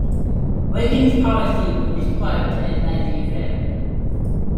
Reagan's policies were described as laissez-faire.